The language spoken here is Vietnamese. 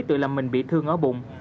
tự làm mình bị thương ở bụng